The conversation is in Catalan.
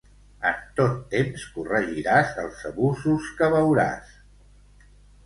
En tot temps corregiràs els abusos que veuràs.